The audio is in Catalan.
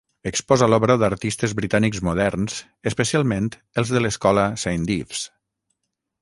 Exposa l'obra d'artistes britànics moderns, especialment els de l'escola Saint Ives.